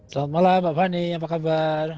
selamat malam pak fani apa kabar